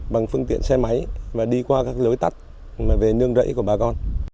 bằng phương tiện xe máy và đi qua các lối tắt về nương rẫy của bà con